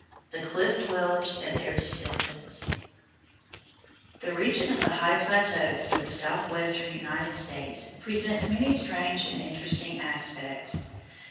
THE CLIFF DWELLERS AND THEIR DESCENDANTS The region of the high plateaus of the southwestern United States presents many strange and interesting aspects.